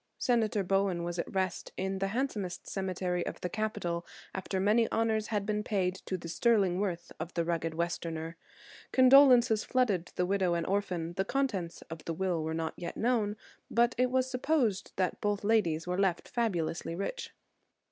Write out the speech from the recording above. Senator Bowen was at rest in the handsomest cemetery of the capital after many honors had been paid to the sterling worth of the rugged Westerner. Condolences flooded the widow and orphan. The contents of the will were not yet known, but it was supposed that both ladies were left fabulously rich.